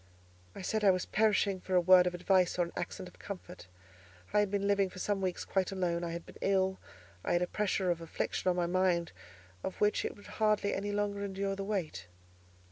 I said I was perishing for a word of advice or an accent of comfort. I had been living for some weeks quite alone; I had been ill; I had a pressure of affliction on my mind of which it would hardly any longer endure the weight.